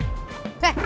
jalan bukan lo yang jalan